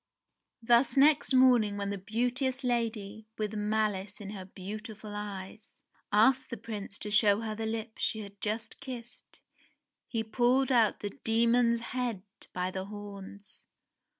Thus next morning when the beauteous lady, with malice in her beautiful eyes, asked the Prince to show her the lips she had last kissed, he pulled out the demon's head by the horns.